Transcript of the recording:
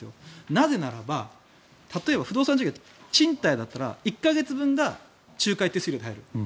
なぜならば例えば、不動産事業って賃貸だったら１か月分が仲介手数料で入る。